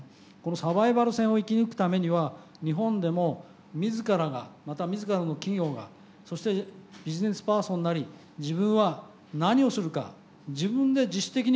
サバイバル戦を生き抜くためには日本でも自らがまた自らの企業がそしてビジネスパーソンなり自分は何をするか自分で自主的に考える。